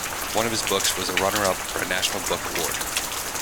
One of his books was a runner-up for a National Book Award.